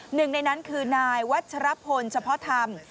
หนึ่งในนั้นคือนายวัชรพลเฉพาะธรรม